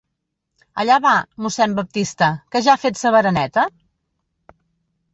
Allà va, mossèn Baptista, ¿que ja ha fet sa bereneta?